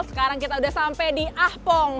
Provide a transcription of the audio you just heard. sekarang kita udah sampai di ahpong